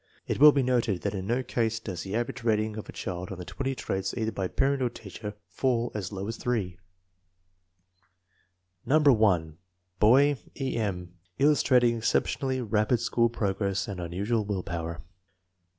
It will be noted that in no case does the average rating of a child on the twenty traits, either by parent or teacher, fall as low as 3. ,i No. 1. Boy: E. M. 1 Illustrating exceptionally rapid school progress and unusual will power.